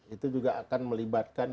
itu juga akan melibatkan